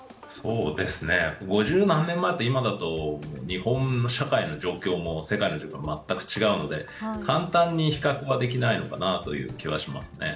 ５０何年前と今だと日本の状況も世界の状況も全く違うので簡単に比較はできないのかなという気はしますね。